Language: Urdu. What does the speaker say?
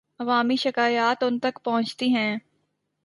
عوامی شکایات ان تک پہنچتی ہیں۔